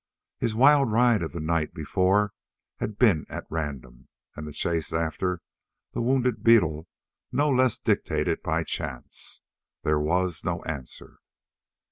His wild ride of the night before had been at random, and the chase after the wounded beetle no less dictated by chance. There was no answer.